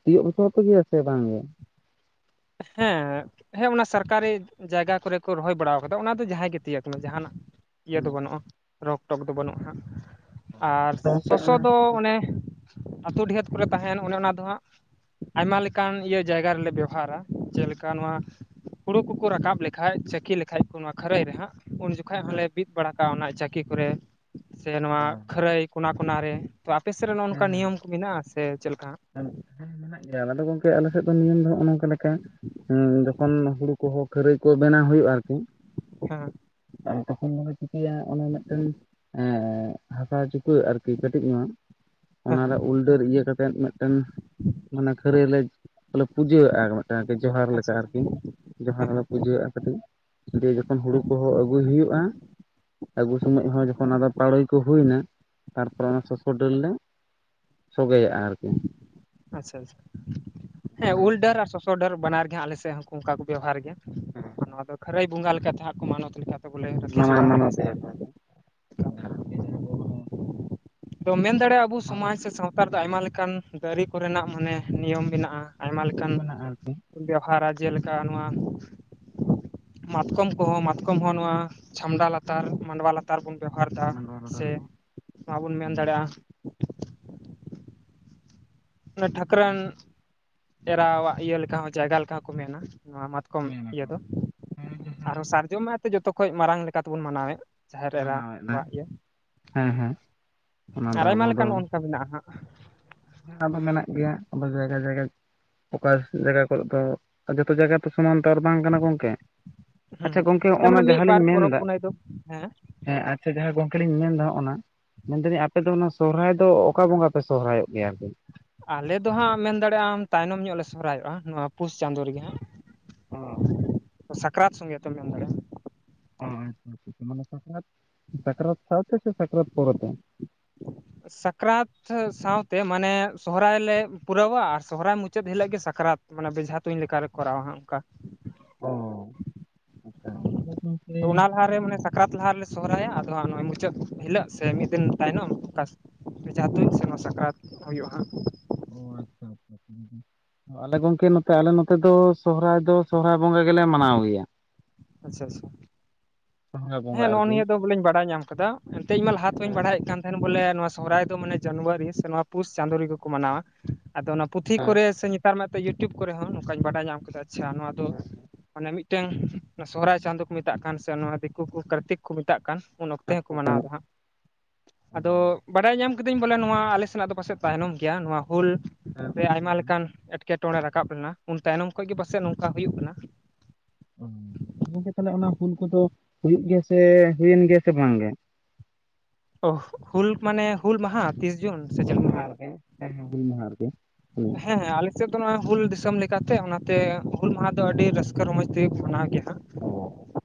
ᱛᱤᱭᱳᱜ ᱚᱪᱚᱚ ᱟᱯᱮ ᱜᱮᱭᱟ ᱥᱮ ᱵᱟᱝᱜᱮ? ᱦᱮᱸ ᱦᱮᱸ ᱚᱱᱟ ᱥᱟᱨᱠᱟᱨᱤ ᱡᱟᱭᱜᱟ ᱠᱚᱨᱮ ᱠᱚ ᱨᱚᱦᱚᱭ ᱵᱟᱲᱟ ᱠᱟᱫᱟ ᱚᱱᱟ ᱫᱚ ᱡᱟᱦᱟᱸᱭ ᱜᱮ ᱛᱤᱭᱟᱹᱜ ᱢᱮ ᱡᱟᱦᱟᱱᱟᱜ ᱤᱭᱟᱹ ᱫᱚ ᱦᱩᱸ᱾ ᱵᱟᱹᱱᱩᱜᱼᱟ, ᱨᱚᱠ ᱴᱚᱠ ᱫᱚ ᱵᱟᱹᱱᱩᱜᱼᱟ ᱦᱟᱸᱜ᱾ ᱟᱨ ᱟᱫᱚ ᱜᱚᱝᱠᱮ ᱥᱚᱥᱚ ᱫᱚ ᱚᱱᱮ ᱟᱹᱛᱳ ᱰᱤᱦᱟᱹᱛ ᱠᱚᱨᱮ ᱛᱟᱦᱮᱱ ᱚᱱᱮ ᱚᱱᱟ ᱫᱚ ᱦᱟᱸᱜ ᱟᱭᱢᱟ ᱞᱮᱠᱟᱱ ᱤᱭᱟᱹ ᱡᱟᱭᱜᱟ ᱨᱮᱞᱮ ᱵᱮᱣᱚᱦᱟᱨᱟ᱾ ᱡᱮᱞᱮᱠᱟ ᱱᱚᱣᱟ ᱦᱩᱲᱩ ᱠᱚᱠᱚ ᱨᱟᱠᱟᱵ ᱞᱮᱠᱷᱟᱡ ᱪᱟᱹᱠᱤ ᱞᱮᱠᱷᱟᱡ ᱠᱚ ᱱᱚᱣᱟ ᱠᱷᱟᱹᱨᱟᱹᱭ ᱨᱮ ᱦᱟᱸᱜ᱾ ᱩᱱ ᱡᱚᱠᱷᱟᱜ ᱦᱚᱸᱞᱮ ᱵᱤᱫ ᱵᱟᱲᱟ ᱠᱟᱜᱼᱟ ᱚᱱᱟ ᱪᱟᱹᱠᱤ ᱠᱚᱨᱮ ᱥᱮ ᱱᱚᱣᱟ ᱠᱷᱟᱹᱨᱟᱹᱭ ᱠᱚᱱᱟ ᱠᱚᱱᱟ ᱨᱮ᱾ ᱛᱚ ᱟᱯᱮ ᱥᱮᱫ ᱨᱮ ᱱᱚ ᱱᱚᱝᱠᱟ ᱱᱤᱭᱚᱢ ᱠᱚ ᱢᱮᱱᱟᱜᱼᱟ ᱥᱮ ᱪᱮᱫ ᱞᱮᱠᱟ? ᱦᱮᱸ ᱢᱮᱱᱟᱜ ᱜᱮᱭᱟ ᱫᱚ ᱜᱚᱝᱠᱮ ᱟᱞᱮ ᱥᱮᱫ ᱫᱚ ᱱᱤᱭᱚᱢ ᱫᱚ ᱱᱚᱜᱼᱚᱭ ᱱᱚᱝᱠᱟ ᱞᱮᱠᱟ ᱦᱮᱸ ᱡᱚᱠᱷᱚᱱ ᱦᱩᱲᱩ ᱠᱚᱦᱚᱸ ᱠᱷᱟᱹᱨᱟᱹᱭ ᱠᱚ ᱵᱮᱱᱟᱣ ᱦᱩᱭᱩᱜᱼᱟ ᱟᱨᱠᱤ᱾ ᱦᱮᱸ ᱟᱨ ᱛᱚᱠᱷᱚᱱ ᱫᱚᱞᱮ ᱪᱤᱠᱟᱹᱭᱟ ᱚᱱᱟ ᱢᱮᱜᱴᱮᱱ ᱮᱸ ᱦᱟᱥᱟ ᱪᱩᱠᱟᱹᱜ ᱟᱨᱠᱤ ᱠᱟᱹᱴᱤᱡ ᱧᱚᱜ ᱦᱮᱸ ᱚᱱᱟᱨᱮ ᱦᱮᱸ ᱩᱞᱰᱟᱹᱨ ᱤᱭᱟᱹ ᱠᱟ ᱠᱟᱛᱮᱫ ᱢᱤᱫ ᱢᱤᱫᱴᱮᱱ ᱢᱟᱱᱮ ᱠᱷᱟᱹᱨᱟᱹᱭ ᱞᱮ ᱯᱩᱡᱟᱹᱣᱟᱜᱼᱟ᱾ ᱡᱟᱜᱤ ᱡᱚᱦᱟᱨ ᱞᱮᱠᱟ ᱟᱪᱪᱷᱟ ᱟᱪᱪᱷᱟ ᱟᱨᱠᱤ ᱡᱚᱦᱟᱨ ᱦᱮᱸ ᱞᱮ ᱦᱮᱸ ᱯᱩᱡᱟᱹᱣᱟᱜᱼᱟ ᱠᱟᱹᱴᱤᱡ ᱡᱮ ᱦᱩᱲᱩ ᱦᱮᱸ ᱠᱚᱦᱚᱸ ᱟᱹᱜᱩᱭ ᱦᱩᱭᱩᱜᱼᱟ, ᱟᱹᱜᱩ ᱥᱚᱢᱚᱭ ᱦᱚᱸ ᱡᱚᱠᱷᱚᱱ ᱟᱫᱚ ᱯᱟᱲᱳᱭ ᱠᱚ ᱦᱩᱭ ᱱᱟ᱾ ᱛᱟᱨᱯᱚᱨᱮ ᱚᱱᱟ ᱥᱚᱥᱚ ᱰᱟᱹᱨ ᱞᱮ ᱥᱚᱜᱮᱭᱟᱼᱟ ᱟᱨᱠᱤ ᱟᱪᱪᱷᱟ ᱟᱪᱪᱷᱟ ᱦᱮᱸ ᱚᱱᱟ ᱩᱞ ᱰᱟᱹᱨ ᱟᱨ ᱥᱚᱥᱚ ᱰᱟᱹᱨ ᱵᱟᱱᱟᱨ ᱜᱮ ᱦᱟᱜ ᱟᱞᱮ ᱥᱮᱫ ᱦᱚᱸ ᱚᱱᱠᱟ ᱠᱚ ᱵᱮᱵᱚᱦᱟᱨ ᱜᱮᱭᱟ ᱦᱮᱸ ᱛᱚ ᱠᱷᱟᱹᱨᱟᱹᱭ ᱵᱚᱸᱜᱟ ᱞᱮᱠᱟᱛᱮ ᱦᱟᱜ ᱠᱚ ᱢᱟᱱᱚᱛ ᱞᱮᱠᱟ ᱞᱮᱠᱟᱛᱮ ᱵᱚᱞᱮ ᱨᱟᱹᱠᱷᱤ ᱡᱚᱜᱟᱣ ᱞᱟᱹᱜᱤᱫ ᱡᱟᱦᱟᱱ ᱠᱤ ᱢᱟᱦᱟᱸ ᱠᱚᱢ ᱟᱫᱚ ᱢᱮᱱ ᱫᱟᱲᱮᱭᱟᱜᱼᱟ ᱟᱵᱚ ᱥᱚᱢᱟᱡᱽ ᱥᱮ ᱥᱟᱶᱛᱟ ᱫᱚ ᱟᱭᱢᱟ ᱞᱮᱠᱟᱱ ᱫᱟᱨᱤ ᱠᱚ ᱨᱮᱱᱟᱜ ᱢᱟᱱᱮ ᱱᱤᱭᱚᱢ ᱢᱮᱱᱟᱜᱼᱟ ᱟᱭᱢᱟ ᱞᱮᱠᱟᱱ ᱢᱮᱱᱟᱜᱼᱟ ᱟᱨᱠᱤ ᱵᱮᱣᱦᱟᱨᱟ ᱡᱮᱞᱮᱠᱟ ᱱᱚᱣᱟ ᱢᱟᱛᱠᱚᱢ ᱠᱚᱦᱚᱸ ᱢᱟᱛᱠᱚᱢ ᱦᱚᱸ ᱱᱚᱣᱟ ᱪᱷᱟᱢᱰᱟ ᱞᱟᱛᱟᱨ ᱢᱟᱰᱣᱟ ᱞᱟ ᱛᱟᱨ ᱵᱚᱱ ᱵᱮᱣᱦᱟᱨ ᱫᱟ ᱢᱟᱰᱣᱟ ᱨᱮᱫᱚ ᱥᱮ ᱟᱨᱠᱤ ᱱᱚᱣᱟ ᱵᱚᱱ ᱢᱮᱱ ᱫᱟᱲᱮᱭᱟᱜᱼᱟ ᱚᱱᱟ ᱴᱷᱟᱹᱠᱨᱟᱱ ᱮᱨᱟᱣᱟᱜ ᱤᱭᱟᱹ ᱞᱮᱠᱟ ᱦᱚᱸ ᱡᱟᱭᱜᱟ ᱞᱮᱠᱟ ᱠᱚ ᱦᱚᱸ ᱢᱮᱱᱟ ᱱᱚᱣᱟ ᱢᱟᱛᱠᱚᱢ ᱤᱭᱟᱹ ᱢᱮᱱᱟᱠᱚ ᱫᱚ ᱦᱮᱸ ᱡᱟᱦᱟᱸ ᱟᱨᱦᱚ ᱡᱚᱢᱟᱭ ᱛᱮ ᱡᱚᱛᱚ ᱠᱷᱚᱡ ᱢᱟᱨᱟᱝ ᱞᱮᱠᱟ ᱞᱮᱠᱟ ᱛᱮᱵᱚᱱ ᱢᱟᱱᱟᱣᱮᱫ ᱡᱟᱦᱮᱨ ᱮᱨᱟ ᱢᱟᱱᱟᱣᱮᱫᱟ ᱠᱚᱣᱟᱜ ᱜᱮ ᱦᱮᱸ ᱦᱮᱸ ᱚᱱᱟ ᱟᱨ ᱫᱚ ᱟᱭᱢᱟ ᱫᱚ ᱞᱮᱠᱟᱱ ᱚᱱᱠᱟ ᱢᱮᱱᱟᱜᱼᱟ ᱦᱟᱸᱜ ᱦᱮᱸ ᱟᱵᱚ ᱢᱮᱱᱟᱜ ᱜᱮᱭᱟ ᱟᱵᱚ ᱡᱟᱭᱜᱟ ᱡᱟᱭᱜᱟ ᱚᱠᱟ ᱡᱟᱭᱜᱟ ᱠᱚᱨᱮ ᱫᱚ ᱡᱚᱛᱚ ᱡᱟᱭᱜᱟ ᱛᱚ ᱥᱚᱢᱟᱱ ᱛᱚ ᱟᱨ ᱵᱟᱝ ᱠᱟᱱᱟ ᱜᱚᱝᱠᱮ ᱟᱪᱪᱷᱟ ᱦᱩᱸ ᱜᱚᱝᱠᱮ ᱦᱚᱸᱜ ᱛᱟᱨ ᱢᱟᱱᱮ ᱚᱱᱟ ᱢᱤᱫ ᱡᱟᱦᱟᱸ ᱵᱟᱨ ᱞᱤᱧ ᱯᱚᱨᱚᱵᱽ ᱢᱮᱱᱫᱟ ᱯᱩᱱᱟᱹᱭ ᱫᱚ ᱦᱮᱸ ᱦᱮᱸ ᱟᱪᱪᱷᱟ ᱡᱟᱦᱟᱸ ᱜᱚᱝᱠᱮ ᱞᱤᱧ ᱢᱮᱱᱫᱟ ᱚᱱᱟ ᱢᱮᱱ ᱫᱟᱞᱤᱧ ᱟᱯᱮ ᱫᱚ ᱚᱱᱟ ᱥᱚᱦᱨᱟᱭ ᱫᱚ ᱚᱠᱟ ᱵᱚᱸᱜᱟ ᱯᱮ ᱥᱚᱦᱨᱟᱭᱚᱜᱼᱟ ᱜᱮᱭᱟ ᱟᱨᱠᱤ ᱟᱞᱮ ᱫᱚ ᱦᱟᱸᱜ ᱢᱮᱱ ᱫᱟᱲᱮᱭᱟᱜᱼᱟ ᱟᱢ ᱛᱟᱭᱱᱚᱢ ᱧᱚᱜ ᱞᱮ ᱥᱚᱦᱨᱟᱭᱚᱜᱼᱟ ᱱᱚᱣᱟ ᱯᱩᱥ ᱪᱟᱸᱫᱳ ᱨᱮᱜᱮ ᱦᱟᱸᱜ ᱚ ᱥᱠᱨᱟᱛ ᱥᱚᱝᱜᱮ ᱛᱮᱢ ᱡᱚᱢ ᱫᱟᱲᱮᱭᱟᱜ-ᱟ ᱚ ᱢᱟᱱᱮ ᱥᱟᱠᱨᱟᱛ ᱥᱟᱠᱨᱟᱛ ᱥᱟᱶ ᱛᱮ ᱥᱮ ᱥᱟᱠᱨᱟᱛ ᱯᱚᱨᱮᱛᱮ ᱥᱟᱠᱨᱟᱛ [unintelligible] ᱥᱟᱶᱛᱮ ᱢᱟᱱᱮ ᱥᱚᱦᱨᱟᱭ ᱞᱮ ᱯᱩᱨᱟᱹᱣᱟ ᱥᱚᱦᱚᱨᱟᱭ ᱢᱩᱪᱟᱹᱫ ᱦᱤᱞᱟᱹᱜ ᱜᱮ ᱥᱟᱠᱨᱟᱛ᱾ ᱢᱟᱱᱮ ᱵᱮᱡᱷᱟ ᱛᱩᱧ ᱞᱮᱠᱟᱨᱮ ᱠᱚᱨᱟᱣᱟ ᱦᱟᱜ ᱚᱝᱠᱟ᱾ ᱚ ᱛᱚ ᱚᱱᱟ ᱞᱟᱦᱟᱨᱮ ᱢᱟᱱᱮ ᱥᱟᱠ ᱠᱟᱨᱟᱛ ᱞᱟᱦᱟ ᱨᱮᱞᱮ ᱥᱚᱦᱚᱨᱟᱭᱟ ᱟᱫᱚ ᱦᱟᱸᱜ ᱱᱚᱜᱚᱭ ᱢᱩᱪᱟᱹᱫ ᱦᱤᱞᱳᱜ ᱥᱮ ᱢᱤᱫ ᱫᱤᱱ ᱛᱟᱭᱱᱚᱢ᱾ ᱵᱷᱮᱡᱟ ᱛᱩᱧ ᱥᱮ ᱱᱚᱣᱟ ᱥᱟᱠᱨᱟᱛ ᱦᱳᱭᱳᱜᱼᱟ ᱦᱟᱸᱜ᱾ ᱚ ᱟᱪᱪᱷᱟ ᱟᱪᱪᱷᱟ ᱟᱞᱮ ᱜᱚᱝᱠᱮ ᱱᱚᱛᱮ ᱟᱞᱮ ᱱᱚᱛᱮ ᱫᱚ ᱥᱚᱦᱨᱟᱭ ᱫᱚ ᱥᱚᱨᱦᱟᱭ ᱵᱚᱸᱜᱟ ᱜᱮᱞᱮ ᱢᱟᱱᱟᱣ ᱜᱮᱭᱟ ᱟᱪᱪᱷᱟ ᱟᱪᱪᱷᱟ ᱥᱚᱦᱨᱟᱭ ᱵᱚᱸᱜᱟ ᱦᱮᱸ ᱱᱚᱜ-ᱚ ᱟᱨᱠᱤ ᱱᱤᱭᱟᱹ ᱫᱚ ᱵᱚᱞᱮᱧ ᱵᱟᱲᱟᱭ ᱧᱟᱢ ᱠᱟᱫᱟ ᱮᱱᱛᱮ ᱤᱧ ᱢᱟ ᱞᱟᱦᱟ ᱠᱷᱚᱧ ᱦᱮᱸ ᱵᱟᱲᱟᱭᱮᱫ ᱠᱟᱱ ᱮᱱ ᱵᱚᱞᱮ ᱱᱚᱶᱟ ᱥᱚᱦᱨᱟᱭ ᱫᱚ ᱢᱟᱱᱮ ᱡᱟᱱᱣᱟᱨᱤ ᱥᱮ ᱱᱚᱶᱟ ᱯᱩᱥ ᱪᱟᱸᱫᱚ ᱨᱮᱜᱮ ᱠᱚ ᱢᱟᱱᱟᱣᱟ ᱟᱫᱚ ᱚᱱᱟ ᱯᱩᱛᱷᱤ ᱦᱮᱸ ᱠᱚᱨᱮ ᱥᱮ ᱱᱮᱛᱟᱨ ᱢᱟᱛᱚ ᱭᱩᱴᱤᱭᱩᱵᱽ ᱠᱚᱨᱮ ᱦᱚᱸ ᱱᱚᱝᱠᱟᱹᱧ ᱵᱟᱰᱟᱭ ᱧᱟᱢ ᱠᱮᱫᱟ ᱟᱪᱪᱷᱟ ᱱᱚᱣᱟ ᱦᱮᱸᱜ ᱚᱱᱮ ᱢᱤᱫᱴᱟᱹᱝ ᱥᱚᱦᱚᱨᱟᱭ ᱪᱟᱸᱫᱚᱳ ᱠᱚ ᱢᱮᱛᱟᱜ ᱠᱟᱱ ᱥᱮ ᱱᱚᱣᱟ ᱫᱤᱠᱩ ᱠᱚ ᱠᱟᱨᱛᱤᱠ ᱠᱚ ᱢᱮᱛᱟᱜ ᱠᱟᱱ ᱩᱱ ᱚᱠᱛᱮ ᱦᱚᱸᱠᱚ ᱢᱟᱱᱟᱣᱫᱟ ᱦᱟᱸᱜ ᱟᱫᱚ ᱵᱟᱰᱟᱭ ᱧᱟᱢ ᱠᱤᱫᱟᱹᱧ ᱵᱚᱞᱮ ᱱᱚᱣᱟ ᱟᱞᱮ ᱥᱮᱱᱟᱜ ᱫᱚ ᱯᱟᱥᱮᱡ ᱛᱟᱭᱱᱚᱢ ᱜᱮᱭᱟ ᱱᱚᱣᱟ ᱦᱩᱞ ᱦᱮᱸ ᱨᱮ ᱦᱮᱸ ᱟᱭᱢᱟ ᱞᱮᱠᱟᱱ ᱮᱴ ᱠᱮᱴᱚᱬᱮ ᱨᱟᱠᱟᱵ ᱞᱮᱱᱟ ᱩᱱ ᱛᱟᱭᱱᱚᱢ ᱠᱷᱚᱱᱚᱡ ᱜᱮ ᱯᱟᱥᱮ ᱱᱚᱝᱠᱟ ᱦᱩᱭᱩᱜ ᱠᱟᱱᱟ᱾ ᱜᱚᱝᱠᱮ ᱛᱟᱦᱚᱞᱮ ᱚᱱᱟ ᱦᱩᱞ ᱠᱚᱫᱚ ᱦᱩᱭᱩᱜ ᱜᱮᱭᱟ ᱥᱮ ᱦᱩᱭᱮᱱ ᱜᱮᱭᱟ ᱥᱮ ᱵᱟᱝ ᱜᱮ? [unintelligible] ᱦᱩᱞ ᱢᱟᱱᱮ ᱦᱩᱞ ᱢᱟᱦᱟ ᱛᱤᱥ ᱡᱩᱱ᱾ ᱥᱮ ᱪᱮᱫ ᱞᱮᱠᱟ ᱦᱩᱞ ᱢᱟᱦᱟᱨ ᱜᱮ ᱦᱮᱸ ᱦᱮᱸ ᱦᱩᱞ ᱢᱟᱦᱟ ᱨᱮ ᱜᱮ ᱦᱮᱸ ᱦᱮᱸ ᱟᱞᱮᱥᱮᱫ ᱫᱚ ᱱᱚᱜᱚᱭ ᱦᱩᱞ ᱫᱤᱥᱚᱢ ᱞᱮᱠᱟᱛᱮ ᱚᱱᱟᱛᱮ ᱦᱩᱞ ᱢᱟᱦᱟ ᱫᱚ ᱟᱹᱰᱤ ᱨᱟᱹᱥᱠᱟᱹ ᱨᱚᱢᱚᱡᱽ ᱛᱮᱜᱮ ᱠᱚ ᱢᱟᱱᱟᱣ ᱜᱮᱭᱟ ᱦᱟᱸᱜ ᱚ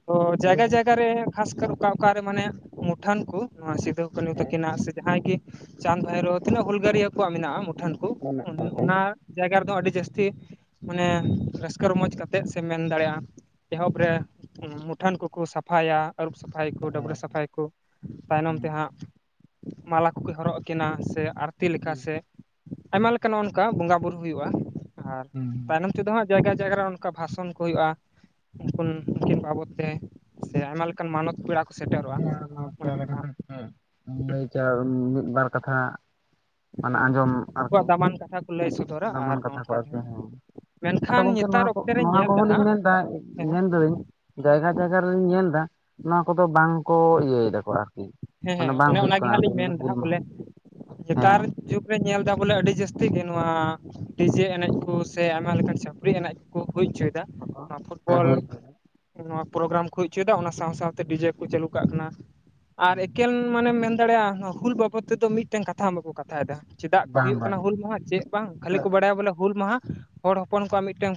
ᱦᱚᱸ ᱟᱫᱚ ᱡᱟᱭᱜᱟ ᱡᱟᱭᱜᱟ ᱨᱮ ᱠᱷᱟᱥᱠᱟᱨ ᱚᱠᱟ ᱚᱠᱟᱨᱮ ᱢᱟᱱᱮ ᱢᱩᱴᱷᱟᱹᱱ ᱠᱚ ᱱᱚᱣᱟ ᱥᱤᱫᱷᱩ ᱠᱟᱹᱱᱩ ᱜᱚᱝᱠᱮ ᱛᱟᱹᱠᱤᱱᱟᱜ ᱥᱮ ᱡᱟᱦᱟᱸᱭ ᱜᱮ ᱪᱟᱸᱫᱽ ᱵᱷᱟᱭᱨᱚ ᱛᱤᱱᱟᱹᱜ ᱦᱩᱞᱜᱟᱨᱤᱭᱟᱹ ᱠᱚᱣᱟᱜ ᱢᱮᱱᱟᱜᱼᱟ ᱢᱩᱴᱷᱟᱹᱱ ᱠᱩ ᱢᱮᱱᱟᱜ ᱠᱟᱜ ᱦᱩᱸ ᱚᱱᱟ ᱡᱟᱭᱜᱟ ᱨᱮᱫᱚ ᱟᱹᱰᱤ ᱡᱟᱹᱥᱛᱤ ᱢᱟᱱᱮ ᱨᱟᱹᱥᱠᱟᱹ ᱨᱚᱢᱚᱡᱽ ᱠᱟᱛᱮᱫ ᱥᱮ ᱢᱮᱱ ᱫᱟᱲᱮᱭᱟ ᱮᱦᱚᱵ ᱨᱮ ᱢᱩᱴᱷᱟᱹᱱ ᱠᱩᱠᱩ ᱥᱟᱯᱷᱟᱭᱟ ᱟᱹᱨᱩᱵ ᱥᱟᱯᱷᱟᱭ ᱠᱩ ᱰᱟᱹᱵᱽᱨᱟᱹ ᱥᱟᱯᱷᱟᱭ ᱠᱩ ᱛᱟᱭᱱᱚᱢ ᱦᱩᱸ ᱛᱮ ᱦᱟᱸᱜ ᱢᱟᱞᱟ ᱠᱩᱠᱚ ᱦᱚᱨᱚᱜ ᱟᱹᱠᱤᱱᱟ ᱥᱮ ᱟᱨᱛᱤ ᱥᱮ ᱦᱩᱸ ᱟᱭᱢᱟ ᱞᱮᱠᱟ ᱱᱚᱜ ᱚᱱᱠᱟ ᱵᱚᱸᱜᱟ ᱵᱳᱩᱨᱩᱳ ᱦᱩᱭᱩᱜᱼᱟ ᱟᱨ ᱦᱩᱸ ᱛᱟᱭᱚᱢ ᱛᱮᱫᱚ ᱦᱟᱸᱜ ᱡᱟᱭᱜᱟ ᱡᱟᱭᱜᱟ ᱨᱮ ᱚᱱᱠᱟ ᱵᱷᱟᱥᱚᱱ ᱠᱚ ᱦᱩᱭᱩᱜᱼᱟ [unintelligible] ᱩᱱᱠᱤᱱ ᱵᱟᱵᱚᱛ ᱛᱮ ᱥᱮ ᱟᱭᱢᱟ ᱞᱮᱠᱟᱱ ᱢᱟᱱᱚᱛ ᱯᱮᱲᱟ ᱠᱚ ᱥᱮᱴᱮᱨᱚᱜᱼᱟ [unintelligible] ᱚᱱᱮ ᱠᱟᱛᱮ ᱚᱱᱠᱟ ᱜᱮ ᱦᱮᱸ ᱞᱟᱹᱭ ᱪᱟᱞ ᱢᱤᱫᱵᱟᱨ ᱠᱟᱛᱷᱟ ᱢᱟᱱᱮ ᱦᱮᱸ ᱟᱸᱡᱚᱢ ᱟᱨᱠᱤ ᱟᱠᱚᱣᱟᱜ ᱫᱟᱢᱟᱱ ᱠᱟᱛᱷᱟ ᱠᱚ ᱞᱟᱹᱭ ᱥᱚᱼᱼ ᱫᱟᱢᱟᱱ ᱠᱟᱛᱷᱟ ᱠᱚ ᱟᱨᱠᱤ ᱦᱮᱸ ᱟᱫᱚ ᱢᱮᱱᱠᱷᱟᱱ ᱜᱚᱝᱠᱮ ᱱᱚᱣᱟ ᱱᱮᱛᱟᱨ ᱠᱚ ᱚᱠᱛᱮ ᱨᱮᱧ ᱱᱚᱣᱟ ᱧᱮᱞᱫᱟ ᱠᱚᱦᱚᱸ ᱞᱤᱧ ᱦᱟᱸᱜ ᱢᱮᱱᱫᱟ ᱦᱮᱸ ᱢᱮᱱᱫᱟᱹᱧ ᱡᱟᱭᱜᱟ ᱡᱟᱭᱜᱟ ᱨᱤᱧ ᱧᱮᱞ ᱫᱟ ᱱᱚᱣᱟ ᱠᱚᱫᱚ ᱵᱟᱝᱠᱚ ᱤᱭᱟᱹᱭ ᱫᱟᱠᱚ ᱟᱨᱠᱤ ᱦᱮᱸ ᱢᱟᱱᱮ ᱦᱮᱸ ᱵᱟᱝ ᱚᱱᱮ ᱦᱩᱭᱩᱜ ᱚᱱᱟᱜᱮ ᱠᱟᱱᱟ ᱦᱟᱸᱜ ᱟᱨᱠᱤ ᱞᱤᱧ ᱢᱮᱱᱫᱟ ᱦᱩᱞ ᱢᱟᱦᱟ ᱵᱚᱞᱮ ᱱᱮᱛᱟᱨ ᱦᱮᱸ ᱡᱩᱜᱽ ᱨᱮ ᱧᱮᱞ ᱮᱫᱟ ᱵᱚᱞᱮ ᱟᱹᱰᱤ ᱡᱟᱹᱥᱛᱤ ᱜᱮ ᱱᱚᱣᱟ ᱰᱤᱡᱮ ᱮᱱᱮᱡ ᱠᱚ ᱥᱮ ᱟᱭᱢᱟ ᱞᱮᱠᱟᱱ ᱪᱷᱟᱹᱯᱨᱤ ᱮᱱᱮᱡ ᱠᱚ ᱠᱚ ᱦᱩᱭ ᱦᱚᱪᱚᱭᱮᱫᱟ ᱾ ᱱᱚᱣᱟ ᱦᱮᱸ ᱯᱷᱩᱴᱵᱚᱞ ᱦᱳᱭ ᱱᱚᱣᱟ ᱯᱨᱳᱜᱨᱟᱢ ᱠᱚ ᱦᱚᱪᱚᱭᱮᱫᱟ ᱚᱱᱟ ᱥᱟᱶ ᱥᱟᱶᱛᱮ ᱰᱤᱡᱮ ᱠᱚ ᱪᱟᱹᱞᱩ ᱠᱟᱜ ᱠᱟᱱᱟ ᱾ ᱟᱨ ᱮᱠᱮᱱ ᱢᱟᱱᱮᱢ ᱢᱮᱱ ᱫᱟᱲᱮᱭᱟᱜᱼᱟ ᱦᱩᱞ ᱵᱟᱵᱚᱫ ᱛᱮᱫᱚ ᱢᱤᱫᱴᱮᱱ ᱠᱟᱛᱷᱟ ᱦᱚᱸ ᱵᱟᱠᱚ ᱠᱟᱛᱷᱟᱭ ᱮᱫᱟ ᱪᱮᱫᱟᱜ ᱵᱟᱝ ᱦᱩᱭᱩᱜ ᱠᱟᱱᱟ ᱵᱟᱝ ᱦᱩᱞ ᱢᱟᱦᱟ ᱪᱮᱫ ᱵᱟᱝ ᱠᱷᱟᱹᱞᱤ ᱠᱚ ᱵᱟᱲᱟᱭᱟ ᱵᱚᱞᱮ ᱦᱩᱞ ᱢᱟᱦᱟ ᱦᱚᱲ ᱦᱚᱯᱚᱱ ᱠᱚᱣᱟᱜ ᱢᱤᱫᱴᱟᱹᱝ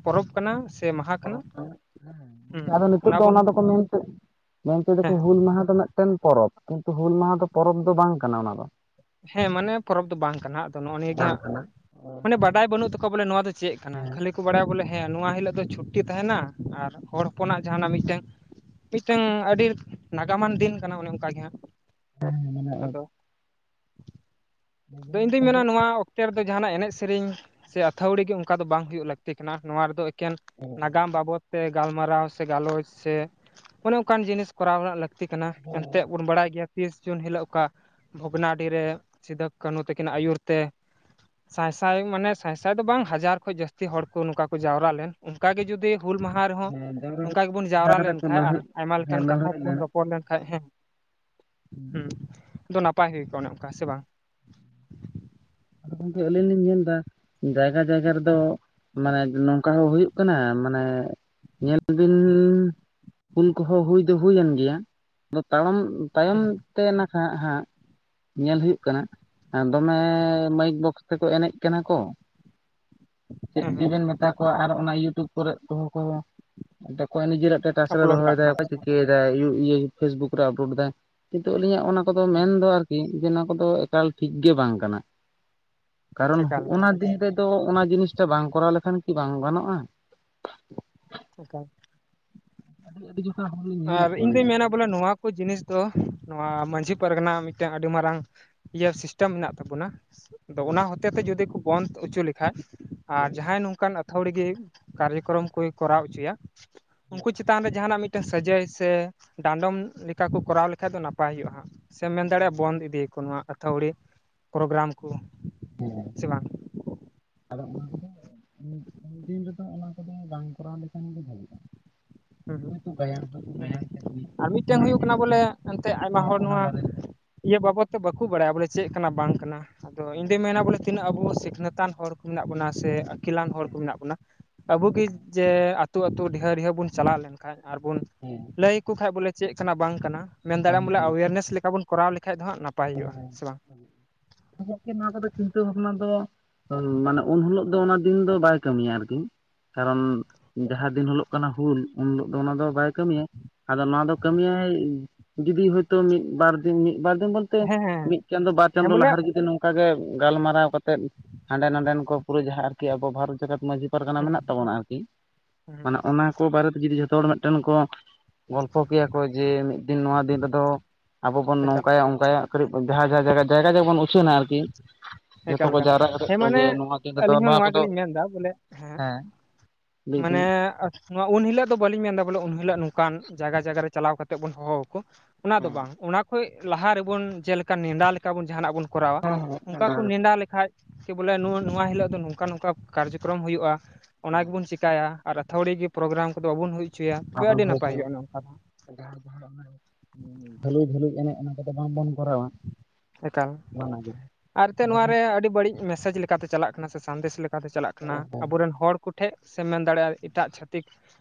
ᱜᱚᱢᱠᱮ ᱦᱮᱸ ᱟᱫᱚ ᱱᱤᱛᱳ ᱫᱚ ᱵᱚᱱ ᱚᱱᱟ ᱫᱚᱠᱚ ᱢᱮᱱᱼ ᱢᱮᱱᱛᱮᱫᱟᱠᱚ ᱦᱮᱸ ᱦᱩᱞ ᱢᱟᱦᱟ ᱫᱚ ᱢᱤᱫᱴᱮᱱ ᱯᱚᱨᱚᱵᱽ ᱾ ᱠᱤᱱᱛᱩ ᱦᱩᱞ ᱢᱟᱦᱟ ᱫᱚ ᱯᱚᱨᱚᱵᱽ ᱫᱚ ᱵᱟᱝ ᱠᱟᱱᱟ ᱚᱱᱟ ᱫᱚ ᱦᱮᱸ ᱢᱟᱱᱮ ᱯᱚᱨᱚᱵᱽ ᱫᱚ ᱵᱟᱝ ᱠᱟᱱᱟ ᱾ ᱟᱫᱚ ᱱᱚᱜᱼᱚ ᱱᱤᱭᱟᱹᱟᱹᱜᱮ ᱵᱟᱝ ᱦᱟᱸᱜ ᱠᱟᱱᱟ ᱢᱟᱱᱮ ᱵᱟᱰᱟᱭ ᱵᱟᱹᱱᱩᱜ ᱛᱟᱠᱚᱣᱟ ᱵᱚᱞᱮ ᱱᱚᱣᱟ ᱫᱚ ᱪᱮᱫ ᱠᱟᱱᱟ᱾ ᱠᱷᱟᱹᱞᱤ ᱠᱚ ᱵᱟᱲᱟᱭᱟ ᱵᱚᱞᱮ ᱦᱮᱸ ᱱᱚᱣᱟ ᱦᱤᱞᱳᱜ ᱫᱚ ᱪᱷᱩᱴᱤ ᱛᱟᱦᱮᱱᱟ ᱟᱨ ᱦᱚᱲ ᱦᱚᱯᱚᱱᱟᱜ ᱡᱟᱦᱟ ᱚᱱᱟ ᱢᱤᱫᱴᱮᱱ ᱢᱤᱫᱴᱟᱝ ᱟᱹᱰᱤ ᱱᱟᱜᱟᱢᱟᱱ ᱫᱤᱱ ᱠᱟᱱᱟ ᱾ ᱚᱱᱮ ᱚᱱᱠᱟ ᱜᱮ ᱦᱟᱸᱜ ᱦᱮᱸ ᱢᱟᱱᱟᱜ ᱟ ᱫᱚᱧ ᱫᱩᱧ ᱢᱮᱱᱟ ᱱᱚᱣᱟ ᱛᱮ ᱨᱮᱫᱚ ᱡᱟᱦᱱᱟᱜ ᱮᱱᱮᱡ ᱥᱮᱨᱮᱧ ᱥᱮ ᱟᱹᱛᱷᱟᱣᱲᱤ ᱜᱮ ᱚᱱᱠᱟ ᱫᱚ ᱵᱟᱝ ᱦᱩᱭᱩᱜ ᱞᱟᱹᱠᱛᱤ ᱠᱟᱱᱟ ᱱᱚᱣᱟ ᱨᱮᱫᱚ ᱮᱠᱮᱱ [inaudible] ᱱᱟᱜᱟᱢ ᱵᱟᱵᱚᱫ ᱛᱮ ᱜᱟᱞᱢᱟᱨᱟᱣ ᱥᱮ ᱜᱟᱞᱚᱪ ᱥᱮ ᱚᱱᱮ ᱚᱱᱠᱟᱱ ᱡᱤᱱᱤᱥ ᱠᱚᱨᱟᱣ ᱨᱮᱱᱟᱜ ᱞᱟ ᱛᱤ ᱠᱟᱱᱟ ᱮᱱᱛᱮᱫ ᱵᱚᱱ ᱵᱟᱲᱟᱭ ᱜᱮᱭᱟ ᱛᱤᱥ ᱡᱩᱱ ᱦᱤᱞᱳᱜ ᱚᱠᱟ ᱵᱷᱚᱜᱽᱱᱟᱰᱤ ᱨᱮ ᱥᱤᱫᱩ ᱠᱟᱹᱱᱦᱩ ᱛᱟᱹᱠᱤᱱᱟᱜ ᱟᱹᱭᱩᱨ ᱛᱮ ᱥᱟᱭᱥᱟᱭ ᱢᱟᱱᱮ ᱥᱟᱭᱥᱟᱭ ᱫᱚ ᱵᱟᱝ ᱦᱟᱡᱟᱨ ᱠᱷᱚᱡ ᱡᱟᱹᱥᱛᱤ ᱦᱚᱲ ᱠᱚ ᱱᱚᱝᱠᱟ ᱠᱚ ᱡᱟᱣᱨᱟ ᱞᱮᱱ ᱚᱱᱠᱟᱜᱮ ᱡᱩᱫᱤ ᱦᱩᱞ ᱢᱟᱦᱟ ᱨᱮᱦᱚᱸ ᱦᱮᱸ ᱡᱟᱣᱨᱟ ᱠᱟᱛᱮ ᱱᱚᱝᱠᱟ ᱜᱮᱵᱚᱱ ᱡᱟᱦᱟᱸ ᱡᱟᱣᱨᱟ ᱠᱟᱛᱮ ᱠᱚ ᱞᱮᱱᱠᱷᱟᱱ ᱟᱨ ᱞᱟᱹᱲᱦᱟᱹᱭ ᱟᱭᱢᱟ ᱦᱮᱸ ᱞᱮᱠᱟᱱ ᱠᱟᱛᱷᱟ ᱞᱟᱹᱲᱦᱟᱹᱭ ᱛᱮᱵᱚᱱ ᱞᱮᱱᱟ ᱨᱚᱯᱚᱲ ᱞᱮᱱᱠᱷᱟᱱ ᱦᱮᱸ ᱦᱩᱸ ᱟᱫᱚ ᱱᱟᱯᱟᱭ ᱦᱩᱭ ᱠᱚᱜᱼᱟ ᱚᱱᱮ ᱚᱱᱠᱟ ᱥᱮ ᱵᱟᱝ ᱜᱚᱝᱠᱮ ᱟᱹᱞᱤᱧ ᱞᱤᱧ ᱧᱮᱞ ᱮᱫᱟ ᱡᱟᱭᱜᱟ ᱡᱟᱭᱜᱟ ᱨᱮᱫᱚ ᱦᱮᱸ ᱢᱟᱱᱮ ᱱᱚᱝᱠᱟ ᱦᱚᱸ ᱦᱩᱭᱩᱜ ᱠᱟᱱᱟ ᱢᱟᱱᱮ ᱧᱮᱞ ᱵᱤᱱ ᱦᱩᱞ ᱠᱚᱦᱚᱸ ᱦᱩᱭ ᱫᱚ ᱦᱩᱭᱮᱱ ᱜᱮᱭᱟ ᱟᱫᱚ ᱛᱟᱲᱟᱢ ᱛᱟᱭᱚᱢ ᱦᱮᱸ ᱛᱮ ᱱᱟᱠᱷᱟᱡ ᱦᱟᱸᱜ ᱧᱮᱞ ᱦᱩᱭᱩᱜ ᱠᱟᱱᱟ ᱫᱚᱢᱮ ᱢᱟᱭᱤᱠ ᱵᱚᱠᱥ ᱛᱮᱠᱚ ᱮᱱᱮᱡ ᱠᱟᱱᱟ ᱠᱚ ᱪᱮᱫ ᱦᱮᱸ ᱦᱮᱸ ᱜᱮᱵᱮᱱ ᱢᱮᱛᱟ ᱠᱚᱣᱟ ᱟᱨ ᱚᱱᱟ ᱭᱩᱴᱩᱵᱽ ᱠᱚᱨᱮ ᱠᱚᱦᱚ ᱠᱚ ᱱᱤᱡᱮᱨᱟᱜ ᱴᱮᱴᱟᱥ ᱨᱮ ᱟᱯᱞᱳᱰ ᱫᱚᱦᱚᱭ ᱠᱟᱜ ᱫᱟ ᱠᱟᱱᱟ ᱠᱚ ᱚᱠᱚᱭ ᱥᱮ ᱵᱟᱝ ᱪᱤᱠᱟᱹ ᱯᱷᱮᱥᱵᱩᱠ ᱨᱮ ᱟᱯᱞᱳᱰ ᱮᱟᱭ ᱠᱤᱱᱛᱩ ᱟᱹᱞᱤᱧᱟᱜ ᱚᱱᱟ ᱠᱚᱫᱚ ᱦᱩᱸ ᱢᱮᱱᱫᱚ ᱟᱨ ᱠᱤ ᱡᱮ ᱚᱱᱟ ᱠᱚᱫᱚ ᱮᱠᱟᱞ ᱴᱷᱤᱠ ᱜᱮ ᱵᱟᱝ ᱠᱟᱱᱟ ᱠᱟᱨᱚᱱ ᱮᱠᱟᱞ ᱮᱠᱟᱞ ᱚᱱᱟ ᱫᱤᱱ ᱨᱮᱫᱚ ᱚᱱᱟ ᱡᱤᱱᱤᱥᱴᱟ ᱵᱟᱝ ᱠᱚᱨᱟᱣ ᱞᱮᱠᱷᱟᱱ ᱠᱤ ᱵᱟᱝ ᱜᱟᱱᱚᱜᱼᱟ ᱚᱠᱟᱞ ᱟᱹᱰᱤ ᱟᱹᱰᱤ ᱡᱚᱠᱷᱟ ᱦᱚᱲᱤᱧ ᱧᱮᱞᱮᱫ ᱟᱨ ᱤᱧ ᱠᱚᱣᱟ ᱫᱩᱧ ᱢᱮᱱᱟ ᱟᱨᱠᱤ ᱵᱚᱞᱮ ᱱᱚᱣᱟ ᱠᱚ ᱡᱤᱱᱤᱥ ᱫᱚ ᱱᱚᱣᱟ ᱢᱟᱺᱡᱷᱤ ᱯᱟᱨᱜᱟᱱᱟ ᱢᱤᱫᱴᱮᱱ ᱟᱹᱰᱤ ᱢᱟᱨᱟᱝ ᱤᱭᱟᱹ ᱥᱤᱥᱴᱮᱢ ᱢᱮᱱᱟᱜ ᱛᱟᱵᱚᱱᱟ ᱟᱫᱚ ᱚᱱᱟ ᱦᱚᱛᱮ ᱛᱮ ᱡᱩᱫᱤ ᱠᱚ ᱵᱚᱱᱫᱷ ᱦᱚᱪᱚ ᱞᱮᱠᱷᱟᱱ ᱟᱨ ᱡᱟᱦᱟᱸᱭ ᱱᱚᱝᱠᱟᱱ ᱟᱛᱷᱟᱹᱣᱲᱤ ᱜᱮ ᱠᱟᱨᱭᱚᱠᱨᱚᱢ ᱠᱚᱭ ᱠᱚᱨᱟᱣ ᱦᱚᱪᱚᱭᱟ ᱩᱱᱠᱩ ᱪᱮᱛᱟᱱ ᱨᱮ ᱡᱟᱦᱟᱱᱟᱜ ᱢᱤᱫ ᱢᱤᱫᱴᱮᱱ ᱥᱟᱹᱡᱟᱹᱭ ᱥᱮ ᱰᱟᱸᱰᱚᱢ ᱞᱮᱠᱟ ᱠᱚ ᱠᱚᱨᱟᱣ ᱞᱮᱠᱷᱟᱡ ᱫᱚ ᱱᱟᱯᱟᱭ ᱦᱩᱭᱩᱜᱼᱟ ᱦᱟᱸᱜ ᱥᱮᱢ ᱢᱮᱱ ᱫᱟᱲᱮᱭᱟᱜᱼᱟ ᱵᱚᱱᱫ ᱤᱫᱤᱭᱟᱠᱚ ᱱᱚᱣᱟ ᱟᱹᱛᱷᱣᱲᱤ ᱯᱨᱳᱜᱨᱟᱢ ᱠᱚ ᱦᱮᱸ ᱥᱮ ᱵᱟᱝ ᱟᱫᱚ ᱚᱱᱟ ᱠᱚ ᱤᱱᱠᱟᱹ ᱫᱤᱱ ᱨᱮᱫᱚ ᱚᱱᱟ ᱠᱚᱫᱚ ᱵᱟᱝ ᱠᱚᱨᱟᱣ ᱞᱮᱠᱷᱟᱱ ᱜᱮ ᱵᱷᱟᱹᱜᱤᱜᱼᱟ ᱦᱮᱸ ᱦᱮᱸ ᱟᱨ ᱢᱤᱫᱴᱮᱱ ᱚᱱᱟ ᱦᱩᱭᱩᱜ ᱤᱫᱤ ᱠᱟᱱᱟ ᱵᱚᱞᱮ ᱮᱱᱛᱮᱜ ᱟᱭᱢᱟ ᱚᱱᱟ ᱦᱚᱲ ᱚᱱᱟ ᱱᱚᱣᱟ ᱵᱟᱨᱮᱛᱮ ᱤᱭᱟᱹ ᱵᱟᱵᱚᱫ ᱛᱮ ᱵᱟᱠᱚ ᱵᱟᱲᱟᱭᱟ ᱵᱚᱞᱮ ᱪᱮᱫ ᱠᱟᱱᱟ ᱵᱟᱝ ᱠᱟᱱᱟ ᱟᱫᱚ ᱤᱧᱫᱚᱩᱧ ᱢᱮᱱᱟ ᱵᱚᱞᱮ ᱛᱤᱱᱟᱹᱜ ᱟᱵᱚ ᱥᱤᱠᱷᱱᱟᱹᱛᱟᱱ ᱦᱚᱲ ᱠᱚ ᱢᱮᱱᱟᱜ ᱵᱚᱱᱟ ᱥᱮ ᱟᱹᱠᱤᱞᱟᱱ ᱦᱚᱲ ᱦᱮᱸ ᱠᱚ ᱢᱮᱱᱟᱜ ᱵᱚᱱᱟ ᱟᱵᱚᱤ ᱡᱮ ᱟᱹᱛᱩ ᱟᱹᱛᱩ ᱰᱷᱮᱦᱟᱹ ᱰᱷᱮᱦᱟᱹ ᱵᱚᱱ ᱪᱟᱞᱟᱣ ᱞᱮᱱ ᱠᱷᱟᱱ ᱟᱨᱵᱚᱱ ᱦᱮᱸ ᱞᱟᱹᱭᱟᱠᱚ ᱠᱷᱟᱱᱡ ᱵᱚᱞᱮ ᱪᱮᱫ ᱠᱟᱱᱟ ᱵᱟᱝ ᱠᱟᱱᱟ ᱢᱮᱱ ᱫᱟᱲᱮᱭᱟᱜᱼᱟᱢ ᱵᱚᱞᱮ ᱟᱣᱮᱨᱱᱮᱥ ᱞᱮᱠᱟ ᱵᱚᱱ ᱠᱚᱨᱟᱣ ᱞᱮᱠᱷᱟᱡ ᱫᱚ ᱦᱟᱸᱜ ᱱᱟᱯᱟᱭ ᱦᱩᱭᱩᱜᱼᱟ ᱥᱮ ᱵᱟᱝ ᱦᱮᱸᱠ [unintelligible] ᱜᱚᱝᱠᱮ ᱱᱚᱣᱟ ᱠᱚᱫᱚ ᱪᱤᱱᱛᱟᱹ ᱵᱷᱟᱵᱽᱱᱟ ᱫᱚ ᱢᱟᱱᱮ ᱩᱱ ᱦᱤᱞᱳᱜ ᱫᱚ ᱚᱱᱟ ᱫᱤᱱ ᱫᱚ ᱵᱟᱭ ᱠᱟᱹᱢᱤᱭᱟ ᱟᱨᱠᱤ ᱠᱟᱨᱚᱱ ᱡᱟᱦᱟᱸ ᱫᱤᱱ ᱦᱤᱞᱳᱜ ᱠᱟᱱᱟ ᱦᱩᱞ ᱩᱱ ᱦᱤᱞᱳᱜ ᱫᱚ ᱚᱱᱟ ᱫᱚ ᱵᱟᱭ ᱠᱟᱹᱢᱤᱭᱟ ᱟᱫᱚ ᱱᱚᱣᱟ ᱫᱚ ᱠᱟᱹᱢᱤᱭᱟᱭ ᱡᱩᱫᱤ ᱦᱚᱳᱭᱛᱳ ᱢᱤᱫ ᱵᱟᱨ ᱫᱤᱱ ᱢᱤᱫ ᱵᱟᱨ ᱫᱤᱱ ᱵᱚᱱ ᱦᱮᱸ ᱦᱮᱸ ᱢᱤᱫ ᱪᱟᱸᱫᱚᱳ ᱵᱟᱨ ᱦᱮᱸ ᱪᱟᱸᱫᱚᱳ ᱵᱚᱞᱮ ᱞᱟᱦᱟ ᱨᱮᱜᱮ ᱱᱚᱝᱠᱟ ᱚᱱᱠᱟᱟᱜ ᱜᱮ ᱜᱟᱞᱢᱟᱨᱟᱣ ᱠᱟᱛᱮᱮᱫ ᱦᱟᱸᱰᱮ ᱱᱟᱰᱮᱱ ᱠᱚ ᱯᱩᱨᱟᱹ ᱡᱟᱦᱟᱸ ᱟᱨᱠᱤ ᱟᱵᱚ ᱵᱷᱟᱨᱚᱛ ᱡᱟᱠᱟᱛ ᱢᱟᱺᱡᱷᱤ ᱯᱟᱨᱜᱟᱱᱟ ᱦᱮᱸ ᱢᱮᱱᱟᱜ ᱛᱟᱵᱚᱱᱟ ᱟᱨᱠᱤ ᱢᱟᱱᱮ ᱦᱮᱸ ᱚᱱᱟ ᱠᱚ ᱵᱟᱨᱮᱛᱮ ᱡᱩᱫᱤ ᱡᱚᱛᱚ ᱦᱚᱲ ᱢᱤᱫᱴᱮᱱ ᱠᱚ ᱜᱚᱞᱯᱷᱚ ᱠᱮᱭᱟ ᱠᱚ ᱡᱮ ᱢᱤᱫ ᱫᱤᱱ ᱱᱚᱣᱟ ᱫᱤᱱ ᱨᱮᱫᱚ ᱟᱵᱚ ᱵᱚᱱ ᱮᱠᱟᱞ ᱱᱚᱝᱠᱟᱭᱟ ᱚᱱᱠᱟᱭᱟᱜ ᱠᱟᱹᱴᱤᱡ ᱡᱟᱦᱟᱸ ᱡᱟᱦᱟᱸ ᱡᱟᱭᱜᱟ ᱡᱟᱭᱜᱟ ᱡᱟᱜᱟ ᱵᱚᱱ ᱩᱪᱷᱱᱟ ᱟᱨᱠᱤ ᱡᱚᱛᱚ ᱮᱠᱟᱞ ᱠᱚ ᱮᱠᱟᱞ ᱡᱟᱣᱨᱟ ᱠᱮᱫ ᱦᱮᱸ ᱠᱚᱣᱟ ᱢᱟᱱᱮ ᱡᱮ ᱱᱚᱣᱟ ᱛᱤᱱᱫᱚ ᱟᱹᱞᱤᱧ ᱦᱚᱸ ᱱᱚᱣᱟ ᱠᱚᱫᱚ ᱜᱮᱞᱤᱧ ᱢᱮᱱᱫᱟ ᱵᱚᱞᱮ ᱦᱮᱸ ᱞᱟᱹᱭ ᱢᱟᱱᱮ ᱫᱟᱹᱧ ᱱᱚᱣᱟ ᱩᱱ ᱦᱤᱞᱳᱜ ᱫᱚ ᱵᱟᱹᱞᱤᱧ ᱢᱮᱱᱫᱟ ᱵᱚᱞᱮ ᱩᱱ ᱦᱤᱞᱳᱜ ᱱᱚᱝᱠᱟᱱ ᱡᱟᱭᱜᱟ ᱡᱟᱭᱜᱟ ᱨᱮ ᱪᱟᱞᱟᱣ ᱠᱟᱛᱮᱜ ᱵᱚᱱ ᱦᱚᱦᱚ ᱟᱠᱚ ᱚᱱᱟ ᱫᱚ ᱵᱟᱝ ᱚᱱᱟ ᱠᱷ ᱞᱟᱦᱟ ᱨᱮᱵᱚᱱ ᱡᱮᱞᱮᱠᱟ ᱱᱮᱰᱟ ᱞᱮᱠᱟ ᱵᱚᱱ ᱡᱟᱦᱟᱱᱟᱜ ᱵᱚᱱ ᱠᱚᱨᱟᱣᱟ ᱚᱱᱠᱟ ᱠᱷᱮᱰᱟᱣ ᱞᱮᱠᱷᱟᱡ ᱵᱚᱞ ᱱᱚᱣᱟ ᱦᱤᱞᱳ ᱫᱚ ᱱᱚᱝᱠᱟ ᱱᱚᱝᱠᱟ ᱠᱟᱨᱡᱚᱠᱨᱚᱢ ᱦᱩᱭᱩᱜᱼᱟ ᱚᱱᱟ ᱜᱮᱵᱚᱱ ᱪᱮᱟᱭ ᱟᱨᱛᱷᱷᱟᱲᱤ ᱜᱮ ᱯᱨᱳᱜᱨᱟᱢ ᱠᱚᱫᱚ ᱵᱟᱵᱚᱱ ᱦᱩᱭ ᱪᱼᱟ ᱟᱵᱚᱱ ᱦᱚᱭ ᱪᱩ ᱭᱟ ᱡᱟᱦᱟᱸ ᱫᱚ ᱦᱟᱜ ᱫᱷᱟᱹᱞᱩᱭ ᱫᱷᱟᱹᱞᱩᱭ ᱮᱱᱮᱡ ᱚᱱᱟ ᱠᱚᱫᱚ ᱵᱟᱝᱵᱚᱱ ᱠᱚᱨᱟᱣᱟ ᱮᱠᱟᱞ ᱟᱨ ᱮᱱᱛᱮᱫ ᱱᱚᱣᱟᱨᱮ ᱟᱹᱰᱤ ᱵᱟᱹᱲᱤᱡ ᱢᱮᱥᱮᱡᱽ ᱞᱮᱠᱟᱛᱮ ᱪᱟᱞᱟᱜ ᱠᱟᱱᱟ ᱥᱮ ᱥᱟᱸᱫᱮᱥ ᱞᱮᱠᱟ ᱠᱟᱛᱮ ᱪᱟᱞᱟᱜ ᱠᱟᱱᱟ ᱟᱵᱚᱨᱮᱱ ᱦᱚᱲ ᱠᱚᱴᱷᱮᱱ ᱥᱮᱢ ᱢᱮᱱ ᱫᱟᱲᱮᱭᱟᱜ-ᱟ ᱮᱴᱟᱜ ᱪᱷᱟᱹᱛᱤᱠ